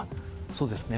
そうですね